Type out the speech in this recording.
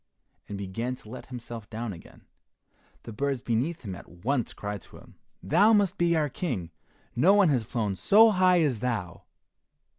and began to let himself down again. The birds beneath him at once cried to him. "Thou must be our King, no one has flown so high as thou."